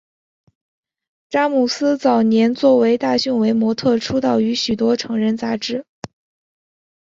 查姆斯早年作为大胸围模特出道于许多成人杂志。